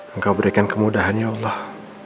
engkau berikan kemudahan ya allah